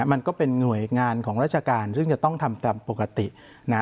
มันก็เป็นหน่วยงานของราชการซึ่งจะต้องทำตามปกตินะ